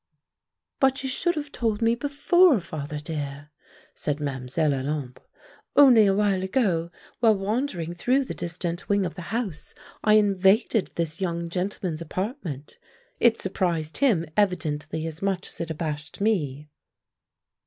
"But you should have told me before, father dear," said Mlle. Olympe. "Only a while ago, while wandering through the distant wing of the house, I invaded this young gentleman's apartment. It surprised him evidently as much as it abashed me."